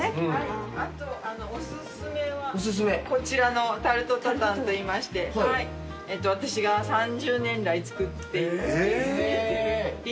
あとお薦めはこちらのタルト・タタンといいまして私が３０年来作っているリンゴのタルトです。